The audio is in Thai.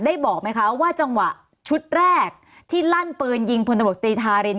บอกไหมคะว่าจังหวะชุดแรกที่ลั่นปืนยิงพลตำรวจตรีธาริน